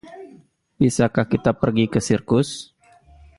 Bisakah kita pergi ke sirkus?